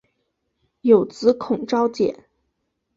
有子孔昭俭。